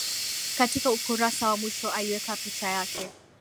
Katika ukurasa wa mwisho, aliweka picha yake